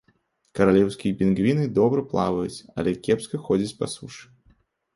Каралеўскія пінгвіны добра плаваюць, але кепска ходзяць па сушы.